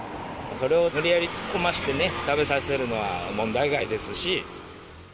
それを無理やり突っ込ませてね、食べさせるのは、問題外ですし。